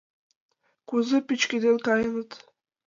Кузе пӱчкеден каеныт?!